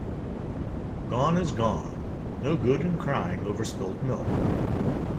Gone is gone. No good in crying over spilt milk.